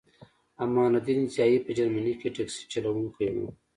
امان الدین ضیایی په جرمني کې ټکسي چلوونکی و